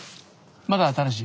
まだ新しい？